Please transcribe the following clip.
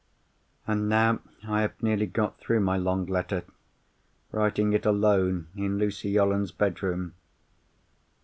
"And now I have nearly got through my long letter, writing it alone in Lucy Yolland's bedroom.